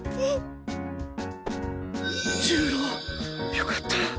よかった！